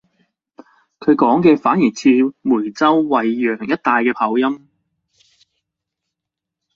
佢講嘅反而似梅州惠陽一帶嘅口音